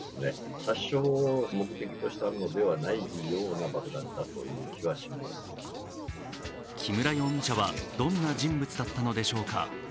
専門家は木村容疑者はどんな人物だったのでしょうか。